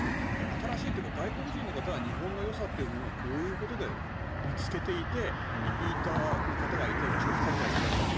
新しいというか外国人の方は日本のよさをこういうところで見つけていてリピーターの方がいて長期滞在されていたと。